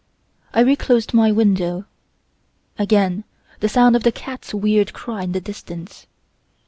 I reclosed my window. Again the sound of the cat's weird cry in the distance.